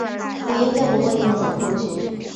我应该不会那么早过去